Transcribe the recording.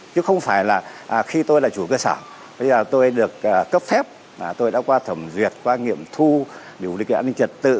chứ không phải là khi tôi là chủ cơ sở tôi được cấp phép tôi đã qua thẩm duyệt qua nghiệm thu điều kiện an ninh trật tự